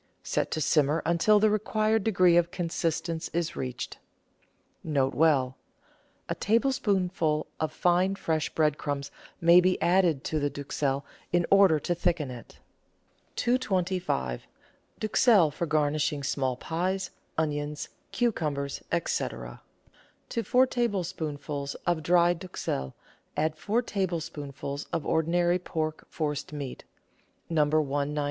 Set to simmer until the required degree of consistence is reached. ]Sj_B. — A tablespoonful of fine, fresh bread crumbs may be added to the duxelle in order to thicken it. 94 GUIDE TO MODERN COOKERY 225— DUXELLE FOR GARNISHING SMALL PIES, ONIONS, CUCUMBERS, ETC. To four tablespoonfuls of dry duxelle add four tablespoon fuls of ordinary pork forcemeat (No. 196).